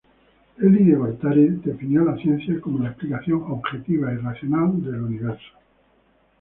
Elí de Gortari definió la ciencia como "la explicación objetiva y racional del universo".